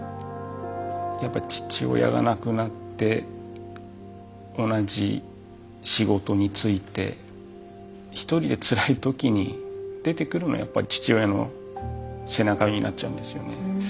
やっぱり父親が亡くなって同じ仕事に就いて一人でつらいときに出てくるのはやっぱり父親の背中になっちゃうんですよね。